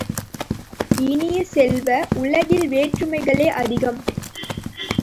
இனிய செல்வ, உலகில் வேற்றுமைகளே அதிகம்.